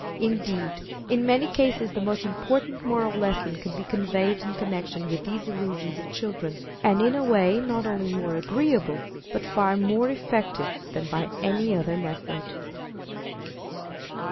Indeed, in many cases the most important moral lessons can be conveyed in connection with these illusions of children, and in a way not only more agreeable but far more effective than by any other method.